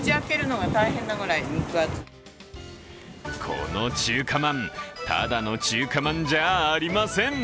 この中華まん、ただの中華まんじゃありません。